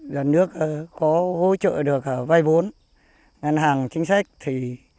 nhà nước có hỗ trợ được vay vốn ngân hàng chính sách thì